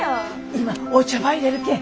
今お茶ばいれるけん